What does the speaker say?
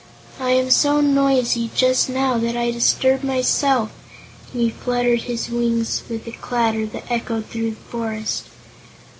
I am so noisy, just now, that I disturb myself," and he fluttered his wings with a clatter that echoed throughout the forest.